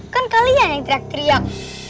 kan kalian yang teriak teriak